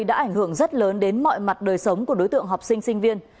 đã ảnh hưởng rất lớn đến mọi mặt đời sống của đối tượng học sinh sinh viên